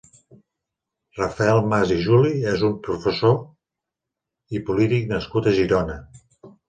Rafael Mas i Juli és un professor i polític nascut a Girona.